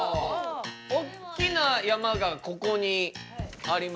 おっきな山がここにありますね。